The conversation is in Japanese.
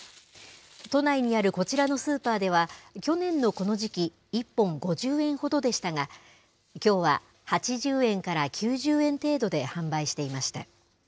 都内にあるこちらのスーパーでは、去年のこの時期、１本５０円ほどでしたが、きょうは８０円から９０円程度で販売していました。